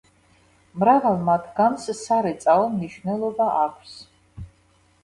მრავალ მათგანს სარეწაო მნიშვნელობა აქვს.